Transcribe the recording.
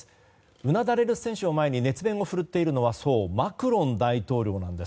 うなだれる選手を前に熱弁を振るっているのはマクロン大統領なんです。